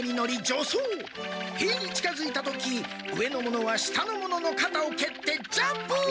へいに近づいた時上の者は下の者のかたをけってジャンプ！